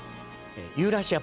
ユーラシア